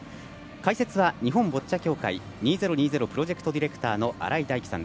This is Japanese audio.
解説は日本ボッチャ協会２０２０プロジェクトディレクター新井大基さん。